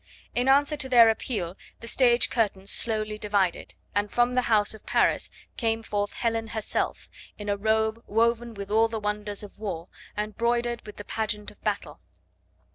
In answer to their appeal the stage curtains slowly divided, and from the house of Paris came forth Helen herself, in a robe woven with all the wonders of war, and broidered with the pageant of battle.